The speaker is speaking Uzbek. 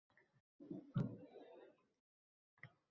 Chunki qo’lda farmon yo’q.